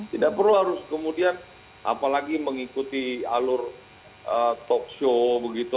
tidak perlu harus kemudian apalagi mengikuti alur talkshow begitu